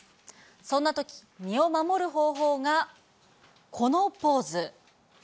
そんなとき、身を守る方法が、このポーズ。